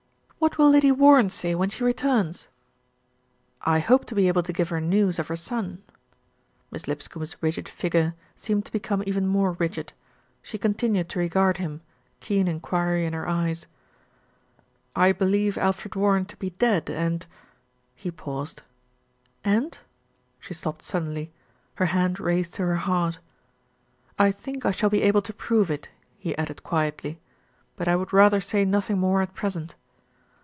"What will Lady Warren say when she returns?" "I hope to be able to give her news of her son." Miss Lipscombe's rigid figure seemed to become even more rigid; she continued to regard him, keen enquiry in her eyes. "I believe Alfred Warren to be dead and " He paused. "And ?" She stopped suddenly, her hand raised to her heart. "I think I shall be able to prove it," he added quietly, "but I would rather say nothing more at present."